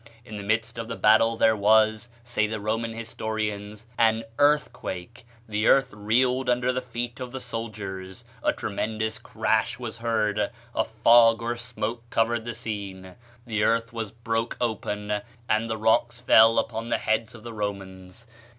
In the midst of the battle there was, say the Roman historians, an "earthquake;" the earth reeled under the feet of the soldiers, a tremendous crash was heard, a fog or smoke covered the scene, the earth broke open, and the rocks fell upon the heads of the Romans.